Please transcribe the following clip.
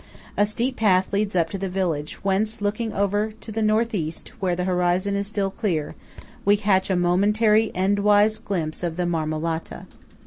A steep path leads up to the village, whence, looking over to the north east where the horizon is still clear, we catch a momentary endwise glimpse of the Marmolata.